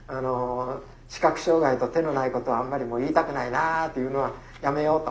視覚障害と手のないことをあんまりもう言いたくないなあというのはやめようと。